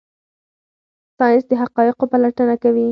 ساینس د حقایقو پلټنه کوي.